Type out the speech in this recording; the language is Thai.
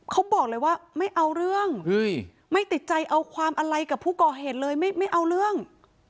เขาบอกเลยว่าไม่เอาเรื่องไม่ติดใจเอาความอะไรกับผู้ก่อเหตุเลยไม่เอาเรื่อง